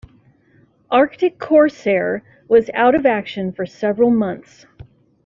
"Arctic Corsair" was out of action for several months.